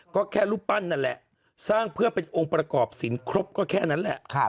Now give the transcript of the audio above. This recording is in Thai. ก็แค่รูปปั้นนั่นแหละสร้างเพื่อเป็นองค์ประกอบศิลปครบก็แค่นั้นแหละ